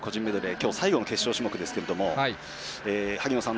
今日、最後の決勝種目ですけど萩野さん